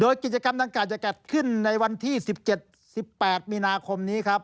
โดยกิจกรรมดังกล่าวจะจัดขึ้นในวันที่๑๗๑๘มีนาคมนี้ครับ